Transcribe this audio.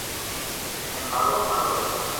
ھون ٿارو ھارو